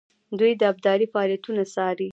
دوی د ابدالي فعالیتونه څارل.